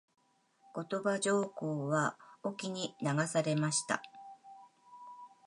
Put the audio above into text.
後鳥羽上皇は隠岐に流されました。